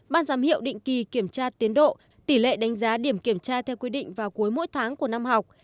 ban giám hiệu định kỳ kiểm tra tiến độ tỷ lệ đánh giá điểm kiểm tra theo quy định vào cuối mỗi tháng của năm học